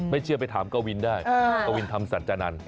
ไม่เชื่อไปถามเก้าวินได้เก้าวินทำสัญญาน